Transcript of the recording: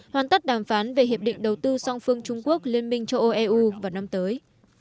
hoàn tất đàm phán về hiệp định đầu tư song phương trung quốc liên minh châu âu eu vào năm tới